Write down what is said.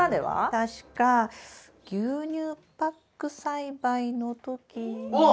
確か牛乳パック栽培の時に。え？